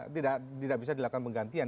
tidak bisa dilakukan penggantian